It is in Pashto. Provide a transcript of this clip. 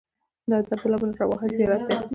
دا د عبدالله بن رواحه زیارت دی.